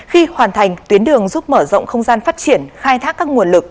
khi hoàn thành tuyến đường giúp mở rộng không gian phát triển khai thác các nguồn lực